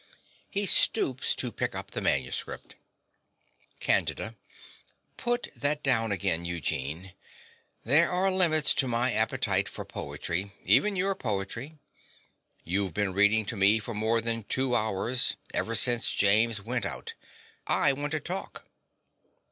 (He stoops to pick up the manuscript.) CANDIDA. Put that down again, Eugene. There are limits to my appetite for poetry even your poetry. You've been reading to me for more than two hours ever since James went out. I want to talk.